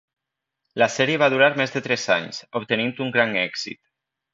La sèrie va durar més de tres anys, obtenint un gran èxit.